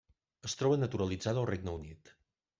Es troba naturalitzada al Regne Unit.